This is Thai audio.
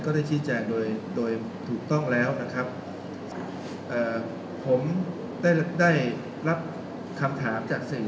ได้ชี้แจงโดยโดยถูกต้องแล้วนะครับเอ่อผมได้ได้รับคำถามจากสื่อ